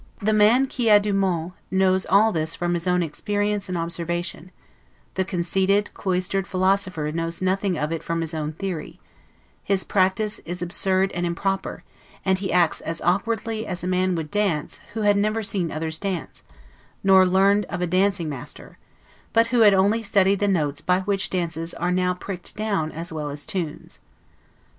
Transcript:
The man 'qui a du monde' knows all this from his own experience and observation: the conceited, cloistered philosopher knows nothing of it from his own theory; his practice is absurd and improper, and he acts as awkwardly as a man would dance, who had never seen others dance, nor learned of a dancing master; but who had only studied the notes by which dances are now pricked down as well as tunes.